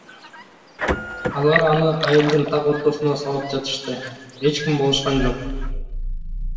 Алар аны айылдын так ортосунда сабап жатышты, эч ким болушкан жок.